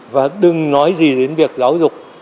và đừng nói gì đến việc giáo dục